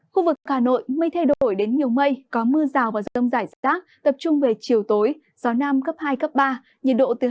khu vực hà nội mây thay đổi đến nhiều mây có mưa rào và rông rải rác tập trung về chiều tối gió nam gấp hai ba nhiệt độ từ hai mươi bảy ba mươi ba độ